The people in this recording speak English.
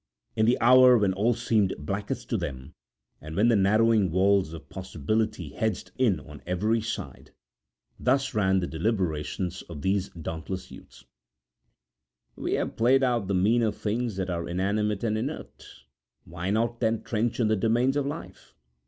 In the hour when all seemed blackest to them, and when the narrowing walls of possibility hedged them in on every side, thus ran the deliberations of these dauntless youths: 'We have played out the meaner things that are inanimate and inert; why not then trench on the domains of life?